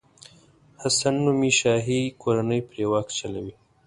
حسن نومي شاهي کورنۍ پرې واک چلوي.